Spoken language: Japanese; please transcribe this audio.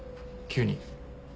急に。